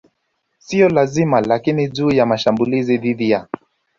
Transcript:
siyo lazima Lakini juu ya mashambulizi dhidi ya